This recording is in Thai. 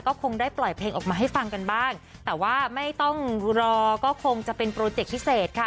ก็คงได้ปล่อยเพลงออกมาให้ฟังกันบ้างแต่ว่าไม่ต้องรอก็คงจะเป็นโปรเจคพิเศษค่ะ